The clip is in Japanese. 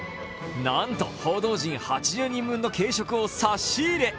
なんと報道陣８０人分の軽食を差し入れ。